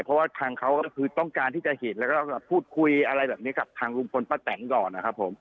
เพราะว่าทางเขาก็คือต้องการที่จะเห็นแล้วก็พูดคุยอะไรแบบนี้กับทางลุงพลป้าแตนก่อนนะครับผม